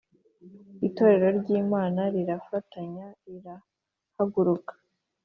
itorero ry’ imana, rirafatanya; rirahaguruka